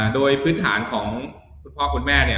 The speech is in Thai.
โดยพื้นฐานของคุณพ่อคุณแม่